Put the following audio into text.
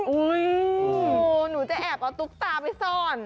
หนูจะแอบเอาตุ๊กตาไปซ่อน